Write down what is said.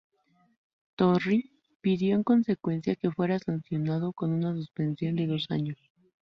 Torri pidió en consecuencia que fuera sancionado con una suspensión de dos años.